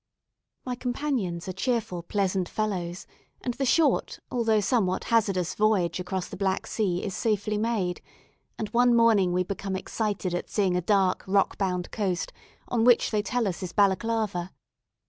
My companions are cheerful, pleasant fellows, and the short, although somewhat hazardous, voyage across the Black Sea is safely made, and one morning we become excited at seeing a dark rock bound coast, on which they tell us is Balaclava.